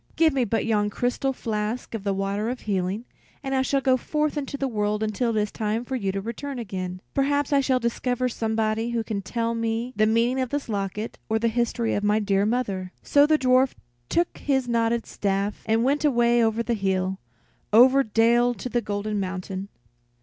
Give me but yon crystal flask of the water of healing, and I shall go forth into the world until it is time for you to return again. Perhaps I shall discover somebody who can tell me the meaning of this locket, or the history of my dear mother." So the dwarf took his knotted staff, and went away over hill, over dale to the Golden Mountain.